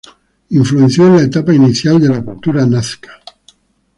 Influenció en la etapa inicial de la cultura nazca.